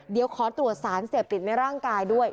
เดี๋ยวขอตรวจสารเสพติดในร่างกายด้วย